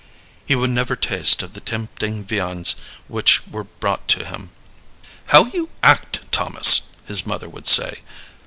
He would never taste of the tempting viands which were brought to him. "How you act, Thomas!" his mother would say.